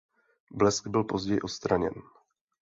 Blesk byl později odstraněn.